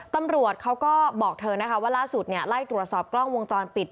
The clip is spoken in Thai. ตำรวจเขาก็บอกเธอนะคะว่าล่าสุดไล่ตรวจสอบกล้องวงจรปิด